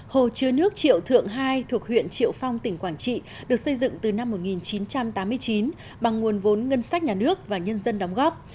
hồ chứa nước triệu thượng hai thuộc huyện triệu phong tỉnh quảng trị được xây dựng từ năm một nghìn chín trăm tám mươi chín bằng nguồn vốn ngân sách nhà nước và nhân dân đóng góp